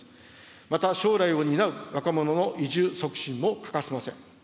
また将来を担う若者の移住促進も欠かせません。